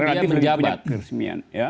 karena dia menjabat